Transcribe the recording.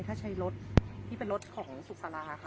ถ้าใช้รถที่เป็นรถของสุขสาราค่ะ